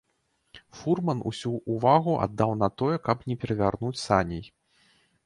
Фурман усю ўвагу аддаў на тое, каб не перавярнуць саней.